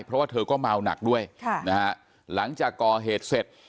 เพราะว่าเธอก็เมาหนักด้วยค่ะนะฮะหลังจากก่อเหตุเสร็จ